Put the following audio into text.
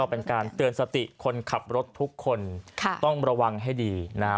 เป็นการเตือนสติคนขับรถทุกคนค่ะต้องระวังให้ดีนะฮะ